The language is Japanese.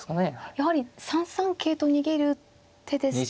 やはり３三桂と逃げる手ですと。